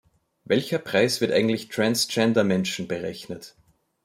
Welcher Preis wird eigentlich Trans-Gender-Menschen berechnet?